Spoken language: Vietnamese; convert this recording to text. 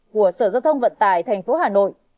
của sở giao thông vận tải thành phố hà nội